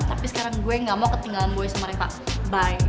tapi sekarang gue gak mau ketinggalan boy sama reva bye